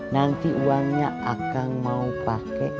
nanti uangnya akan mau pakai